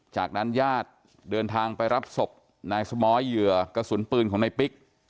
จากนั้นญาติเดินทางไปรับศพนายสมอยเหยื่อกระสุนปืนของในปิ๊ก